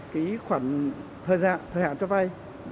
cái khoản thời gian thời hạn cho vai